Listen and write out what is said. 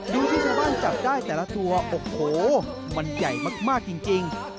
ดูที่ชาวบ้านจับได้แต่ละตัวโอ้โหมันใหญ่มากจริง